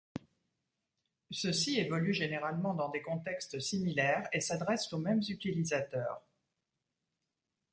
Ceux-ci évoluent généralement dans des contextes similaires et s'adressent aux mêmes utilisateurs.